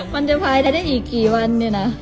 มันจะผ่ายได้ยังอีกกี่วันดินะ